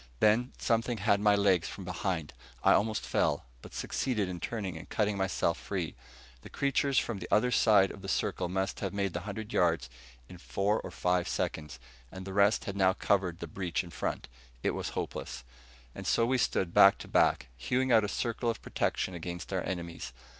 Then something had my legs from behind. I almost fell, but succeeded in turning and cutting myself free. The creatures from the other side of the circle must have made the hundred yards in four or five seconds. And the rest had now covered the breach in front. It was hopeless. And so we stood back to back, hewing out a circle of protection against our enemies.